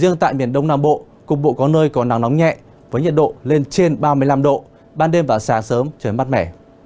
riêng tại miền đông nam bộ cục bộ có nơi có nắng nóng nhẹ với nhiệt độ lên trên ba mươi năm độ ban đêm và sáng sớm trời mát mẻ